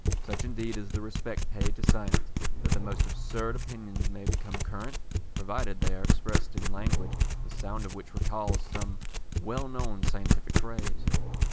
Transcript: Such indeed is the respect paid to science, that the most absurd opinions may become current, provided they are expressed in language, the sound of which recals some well known scientific phrase.